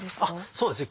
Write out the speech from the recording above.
そうですね。